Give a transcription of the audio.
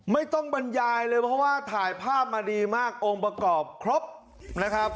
บรรยายเลยเพราะว่าถ่ายภาพมาดีมากองค์ประกอบครบนะครับ